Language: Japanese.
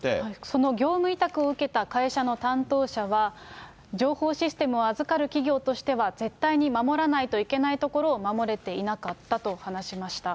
その業務委託を受けた会社の担当者は、情報システムを預かる企業としては絶対に守らないといけないところを守れていなかったと話しました。